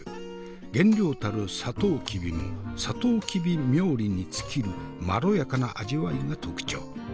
原料たるサトウキビもサトウキビ冥利に尽きるまろやかな味わいが特徴。